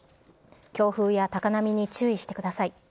強風や高波に注意してください。